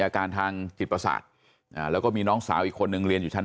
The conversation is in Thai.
อาการทางจิตประสาทแล้วก็มีน้องสาวอีกคนนึงเรียนอยู่ชั้น